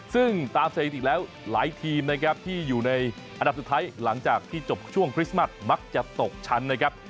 ซึ่งตามเศรษฐกิจอีกแล้วหลายทีมนะครับที่อยู่ในอันดับสุดท้ายหลังจากที่จบช่วงคริสต์มัสมักจะตกชั้นนะครับ